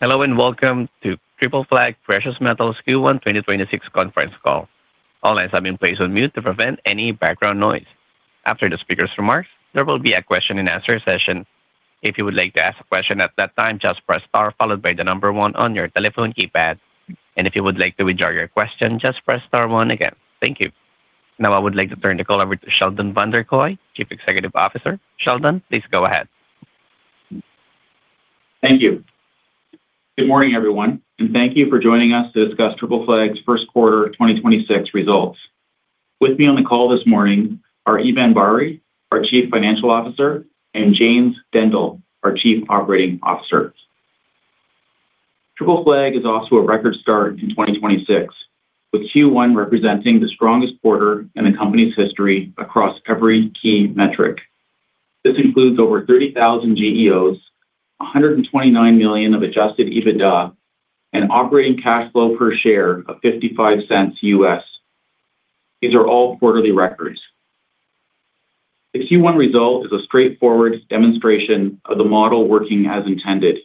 Hello. Welcome to Triple Flag Precious Metals Q1 2026 conference call. All lines have been placed on mute to prevent any background noise. After the speaker's remarks, there will be a question and answer session. If you would like to ask a question at that time, just press star one on your telephone keypad. If you would like to withdraw your question, just press star one again. Thank you. Now I would like to turn the call over to Sheldon Vanderkooy, Chief Executive Officer. Sheldon, please go ahead. Thank you. Good morning, everyone, and thank you for joining us to discuss Triple Flag's first quarter 2026 results. With me on the call this morning are Eban Bari, our Chief Financial Officer, and James Dendle, our Chief Operating Officer. Triple Flag is off to a record start in 2026, with Q1 representing the strongest quarter in the company's history across every key metric. This includes over 30,000 GEOs, $129 million of adjusted EBITDA, and operating cash flow per share of $0.55 U.S. These are all quarterly records. The Q1 result is a straightforward demonstration of the model working as intended.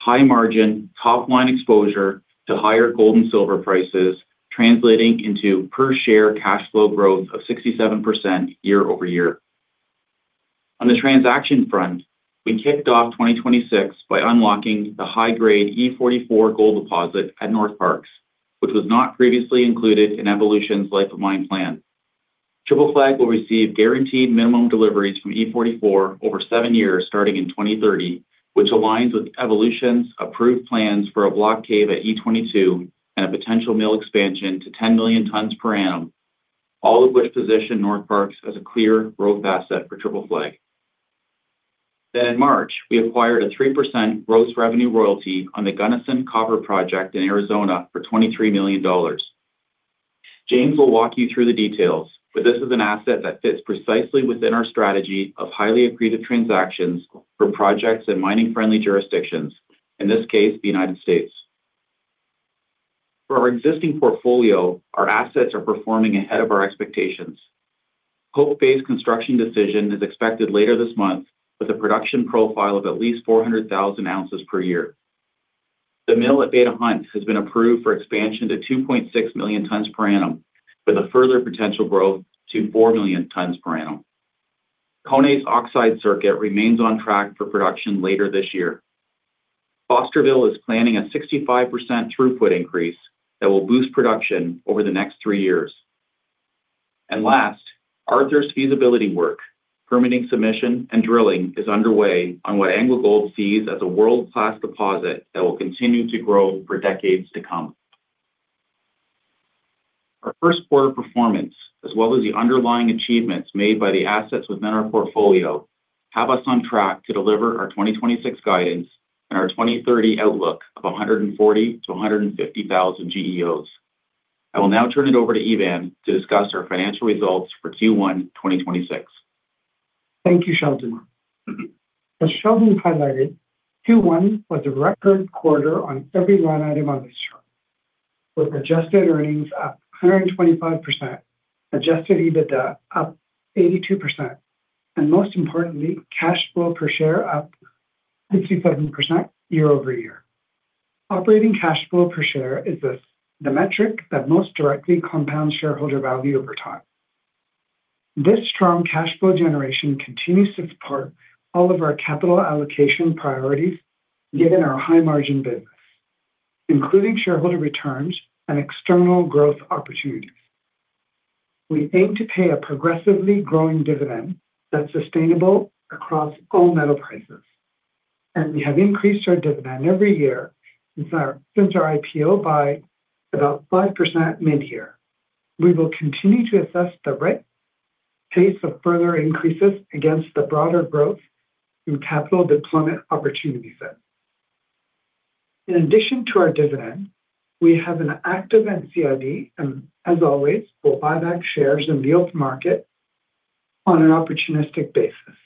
High margin, top-line exposure to higher gold and silver prices, translating into per share cash flow growth of 67% year-over-year. On the transaction front, we kicked off 2026 by unlocking the high-grade E44 gold deposit at Northparkes, which was not previously included in Evolution's life of mine plan. Triple Flag will receive guaranteed minimum deliveries from E44 over seven years starting in 2030, which aligns with Evolution's approved plans for a block cave at E22 and a potential mill expansion to 10 million tons per annum, all of which position Northparkes as a clear growth asset for Triple Flag. In March, we acquired a 3% gross revenue royalty on the Gunnison copper project in Arizona for $23 million. James will walk you through the details, this is an asset that fits precisely within our strategy of highly accretive transactions for projects in mining-friendly jurisdictions, in this case, the United States. For our existing portfolio, our assets are performing ahead of our expectations. Hope Bay's construction decision is expected later this month with a production profile of at least 400,000 ounces per year. The mill at Beta Hunt has been approved for expansion to 2.6 million tons per annum, with a further potential growth to 4 million tons per annum. Koné's oxide circuit remains on track for production later this year. Fosterville is planning a 65% throughput increase that will boost production over the next three years. Last, Arthur's feasibility work, permitting submission and drilling is underway on what AngloGold sees as a world-class deposit that will continue to grow for decades to come. Our first quarter performance, as well as the underlying achievements made by the assets within our portfolio, have us on track to deliver our 2026 guidance and our 2030 outlook of 140,000-150,000 GEOs. I will now turn it over to Eban to discuss our financial results for Q1 2026. Thank you, Sheldon. As Sheldon highlighted, Q1 was a record quarter on every line item on this chart, with adjusted earnings up 125%, adjusted EBITDA up 82%, Most importantly, cash flow per share up 57% year-over-year. Operating cash flow per share is the metric that most directly compounds shareholder value over time. This strong cash flow generation continues to support all of our capital allocation priorities given our high margin business, including shareholder returns and external growth opportunities. We aim to pay a progressively growing dividend that's sustainable across all metal prices, We have increased our dividend every year since our IPO by about 5% mid-year. We will continue to assess the right pace of further increases against the broader growth through capital deployment opportunity set. In addition to our dividend, we have an active NCIB, and as always, we'll buy back shares in the open market on an opportunistic basis.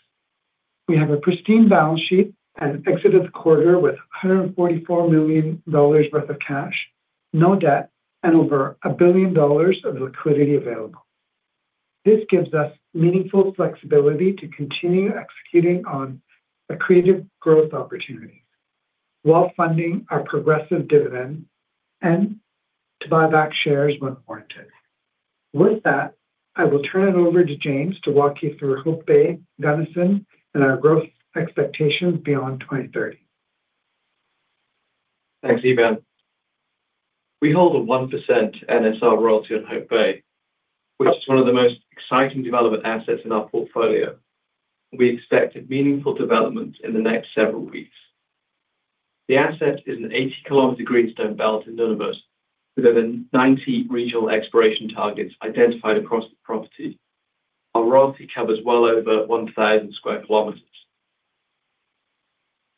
We have a pristine balance sheet and exited the quarter with $144 million worth of cash, no debt, and over $1 billion of liquidity available. This gives us meaningful flexibility to continue executing on accretive growth opportunities while funding our progressive dividend and to buy back shares when warranted. With that, I will turn it over to James to walk you through Hope Bay, Gunnison, and our growth expectations beyond 2030. Thanks, Eban. We hold a 1% NSR royalty on Hope Bay, which is one of the most exciting development assets in our portfolio. We expect a meaningful development in the next several weeks. The asset is an 80 km greenstone belt in Nunavut with over 90 regional exploration targets identified across the property. Our royalty covers well over 1,000 sq km.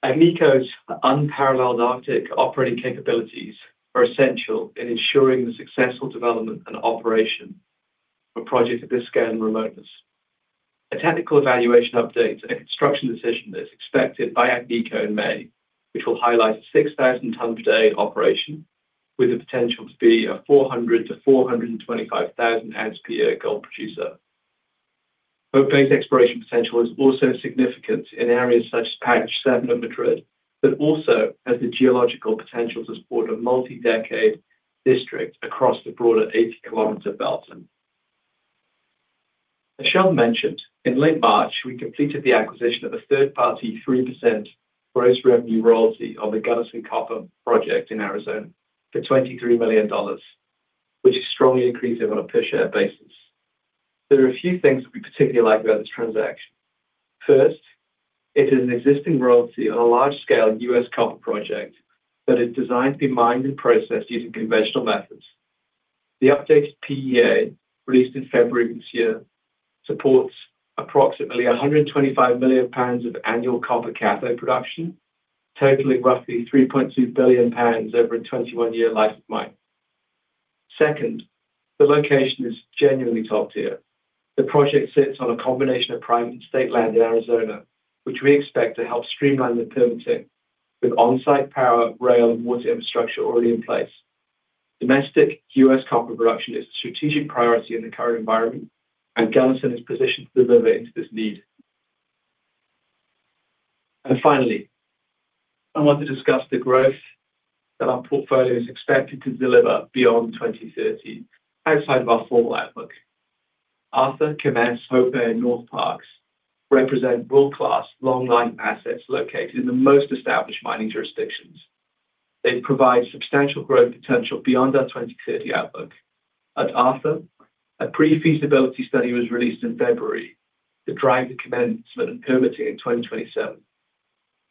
Agnico's unparalleled Arctic operating capabilities are essential in ensuring the successful development and operation for projects of this scale and remoteness. A technical evaluation update and a construction decision that's expected by [Agnico] in May, which will highlight a 6,000 ton per day operation with the potential to be a 400,000 to 425,000 ounce per year gold producer. Hope Bay's exploration potential is also significant in areas such as Patch 7 of Madrid, but also has the geological potential to support a multi-decade district across the broader 80 km belt. As Sheldon mentioned, in late March, we completed the acquisition of a third-party 3% gross revenue royalty on the Gunnison Copper project in Arizona for $23 million, which is strongly accretive on a per share basis. There are a few things we particularly like about this transaction. First, it is an existing royalty on a large-scale U.S. copper project that is designed to be mined and processed using conventional methods. The updated PEA, released in February this year, supports approximately 125 million pounds of annual copper cathode production, totaling roughly 3.2 billion pounds over a 21-year life of mine. Second, the location is genuinely top-tier. The project sits on a combination of private and state land in Arizona, which we expect to help streamline the permitting with on-site power, rail, and water infrastructure already in place. Domestic U.S. copper production is a strategic priority in the current environment, and Gunnison is positioned to deliver into this need. Finally, I want to discuss the growth that our portfolio is expected to deliver beyond 2030 outside of our formal outlook. Arthur, Kemess, Hope Bay, and Northparkes represent world-class long-life assets located in the most established mining jurisdictions. They provide substantial growth potential beyond our 2030 outlook. At Arthur, a pre-feasibility study was released in February to drive the commencement and permitting in 2027.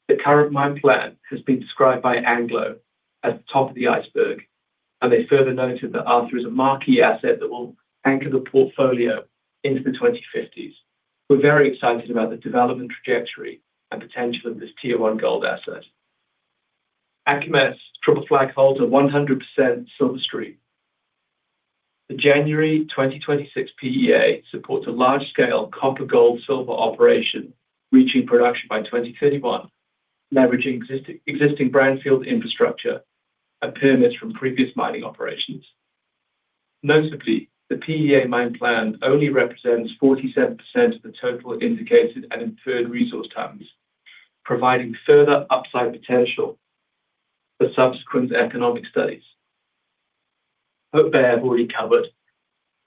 The current mine plan has been described by Anglo as the top of the iceberg, and they further noted that Arthur is a marquee asset that will anchor the portfolio into the 2050s. We're very excited about the development trajectory and potential of this tier one gold asset. At Kemess, Triple Flag holds a 100% silver stream. The January 2026 PEA supports a large-scale copper-gold-silver operation, reaching production by 2031, leveraging existing brownfield infrastructure and permits from previous mining operations. Notably, the PEA mine plan only represents 47% of the total indicated and inferred resource tons, providing further upside potential for subsequent economic studies. Hope Bay I've already covered,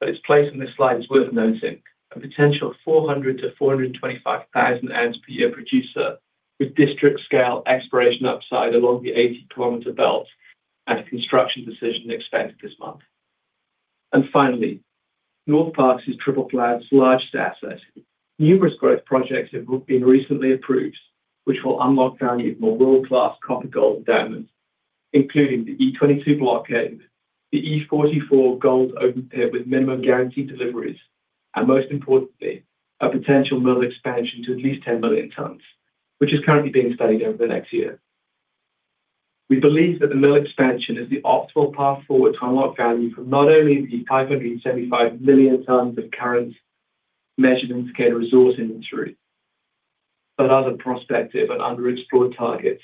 but its place in this slide is worth noting. A potential 400,000-425,000 ounce per year producer with district scale exploration upside along the 80-kilometer belt and a construction decision expected this month. Finally, Northparkes is Triple Flag's largest asset. Numerous growth projects have been recently approved, which will unlock value from a world-class copper gold endowment, including the E-22 block cave, the E-44 gold open pit with minimum guaranteed deliveries, and most importantly, a potential mill expansion to at least 10 million tons, which is currently being studied over the next year. We believe that the mill expansion is the optimal path forward to unlock value from not only the 575 million tons of current measured indicator resource inventory, but other prospective and underexplored targets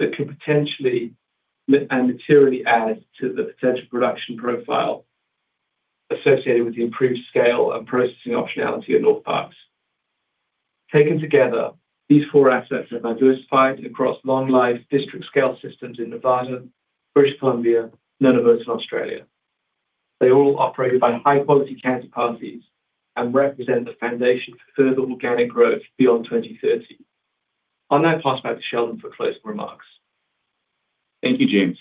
that could potentially and materially add to the potential production profile associated with the improved scale and processing optionality at Northparkes. Taken together, these four assets are diversified across long-life district-scale systems in Nevada, British Columbia, Nunavut, and Australia. They're all operated by high-quality counterparties and represent the foundation for further organic growth beyond 2030. On that, pass back to Sheldon for closing remarks. Thank you, James.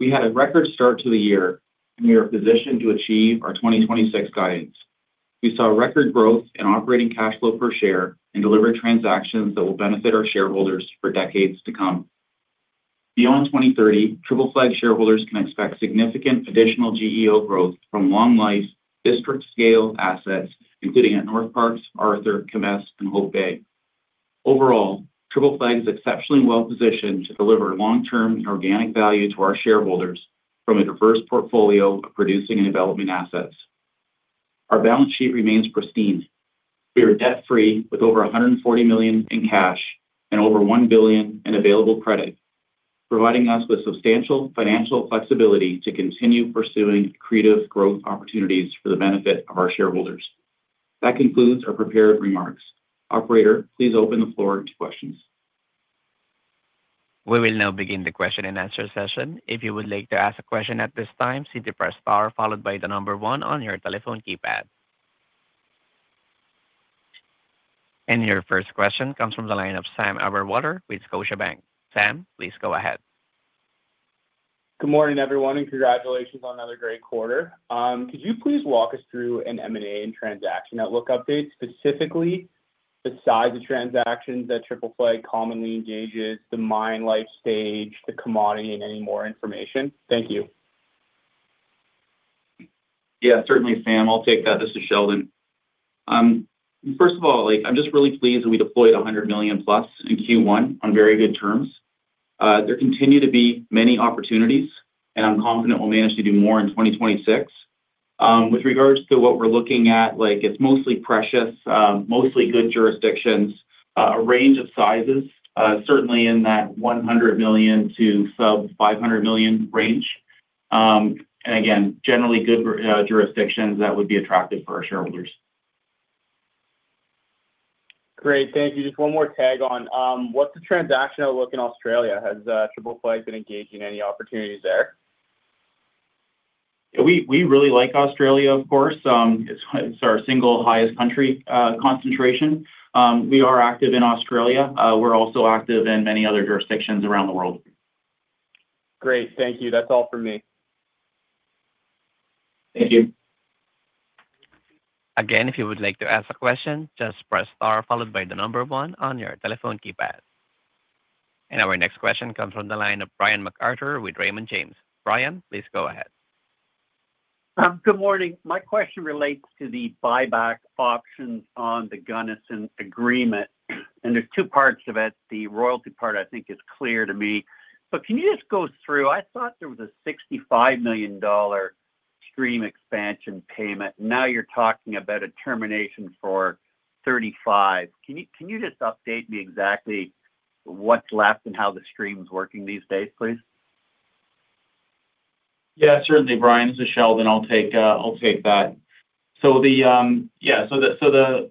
We had a record start to the year, and we are positioned to achieve our 2026 guidance. We saw record growth in operating cash flow per share and delivered transactions that will benefit our shareholders for decades to come. Beyond 2030, Triple Flag shareholders can expect significant additional GEOs growth from long-life district-scale assets, including at Northparkes, Arthur, Kemess, and Hope Bay. Overall, Triple Flag is exceptionally well-positioned to deliver long-term organic value to our shareholders from a diverse portfolio of producing and developing assets. Our balance sheet remains pristine. We are debt-free with over $140 million in cash and over $1 billion in available credit, providing us with substantial financial flexibility to continue pursuing accretive growth opportunities for the benefit of our shareholders. That concludes our prepared remarks. Operator, please open the floor to questions. We will now begin the question and answer session. If you would like to ask a question at this time, simply press star followed by one on your telephone keypad. Your first question comes from the line of Sam Overwater with Scotiabank. Sam, please go ahead. Good morning, everyone, and congratulations on another great quarter. Could you please walk us through an M&A and transaction outlook update, specifically the size of transactions that Triple Flag commonly engages, the mine life stage, the commodity, and any more information? Thank you. Yeah, certainly, Sam. I'll take that. This is Sheldon. First of all, like, I'm just really pleased that we deployed $100 million+ in Q1 on very good terms. There continue to be many opportunities, and I'm confident we'll manage to do more in 2026. With regards to what we're looking at, like, it's mostly precious, mostly good jurisdictions, a range of sizes, certainly in that $100 million to sub $500 million range. Again, generally good jurisdictions that would be attractive for our shareholders. Great. Thank you. Just one more tag on, what's the transactional look in Australia? Has Triple Flag been engaging any opportunities there? We really like Australia, of course. It's our single highest country concentration. We are active in Australia. We're also active in many other jurisdictions around the world. Great. Thank you. That's all for me. Thank you. Our next question comes from the line of Brian MacArthur with Raymond James. Brian, please go ahead. Good morning. My question relates to the buyback options on the Gunnison agreement, and there's two parts of it. The royalty part I think is clear to me. Can you just go through I thought there was a $65 million stream expansion payment. Now you're talking about a termination for $35 million. Can you just update me exactly what's left and how the stream's working these days, please? Yeah, certainly, Brian. This is Sheldon. I'll take that. The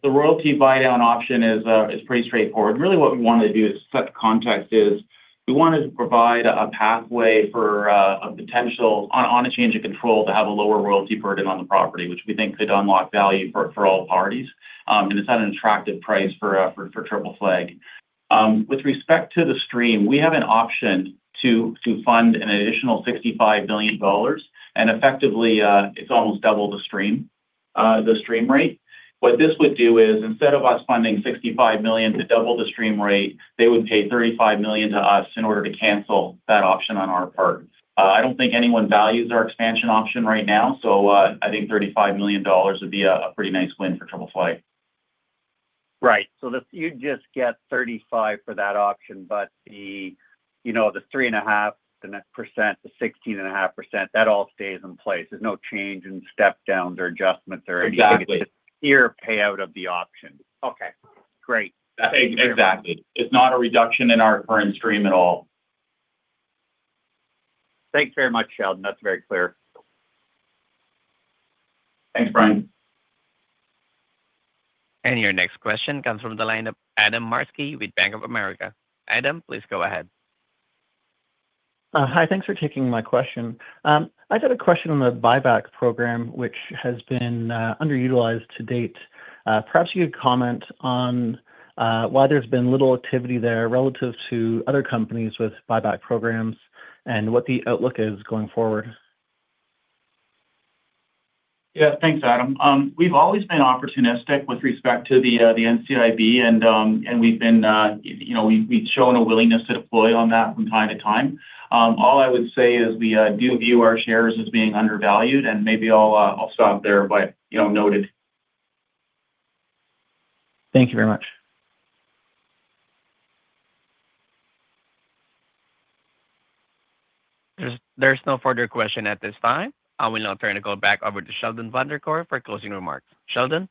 royalty buy down option is pretty straightforward. Really what we wanted to do, to set the context is, we wanted to provide a pathway for a potential on a change of control to have a lower royalty burden on the property, which we think could unlock value for all parties. It's at an attractive price for Triple Flag. With respect to the stream, we have an option to fund an additional $65 million, effectively, it's almost double the stream rate. What this would do is instead of us funding $65 million to double the stream rate, they would pay $35 million to us in order to cancel that option on our part. I don't think anyone values our expansion option right now, so I think $35 million would be a pretty nice win for Triple Flag. Right. You'd just get 35 for that option, but the, you know, the 3.5, the %, the 16.5%, that all stays in place. There's no change in step downs or adjustments or anything. Exactly. It's a pure payout of the option. Okay, great. Exactly. It's not a reduction in our current stream at all. Thanks very much, Sheldon. That's very clear. Thanks, Brian. Your next question comes from the line of Adam Morski with Bank of America. Adam, please go ahead. Hi. Thanks for taking my question. I just had a question on the buyback program, which has been underutilized to date. Perhaps you could comment on why there's been little activity there relative to other companies with buyback programs and what the outlook is going forward. Yeah. Thanks, Adam. We've always been opportunistic with respect to the NCIB and we've been, you know, we've shown a willingness to deploy on that from time to time. All I would say is we do view our shares as being undervalued, and maybe I'll stop there, but, you know, noted. Thank you very much. There's no further question at this time. I will now turn the call back over to Sheldon Vanderkooy for closing remarks. Sheldon?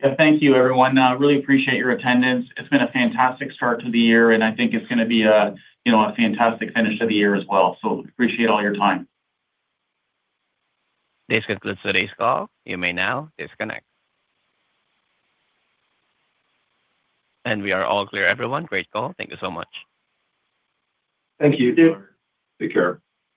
Yeah. Thank you, everyone. I really appreciate your attendance. It's been a fantastic start to the year, and I think it's gonna be a, you know, a fantastic finish to the year as well. Appreciate all your time. This concludes today's call. You may now disconnect. We are all clear, everyone. Great call. Thank you so much. Thank you. Thank you. Take care.